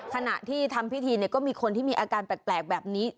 ขณะที่ทำพิธีก็มีคนที่มีอาการแปลกแบบนี้